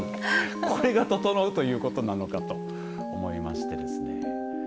これがととのうということなのかと思いましてですね。